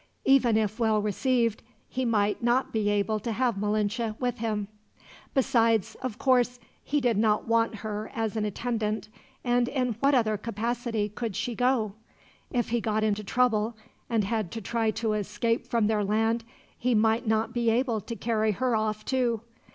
Even if well received, he might not be able to have Malinche with him. Besides, of course he did not want her as an attendant, and in what other capacity could she go? If he got into trouble, and had to try to escape from their land, he might not be able to carry her off, too.